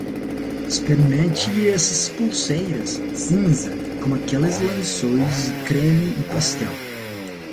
Experimente essas pulseiras cinza com aqueles lenços creme e pastel.